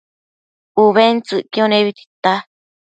ubentsëcquio nebi tita